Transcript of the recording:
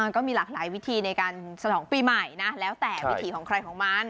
มันก็มีหลากหลายวิธีในการฉลองปีใหม่นะแล้วแต่วิถีของใครของมัน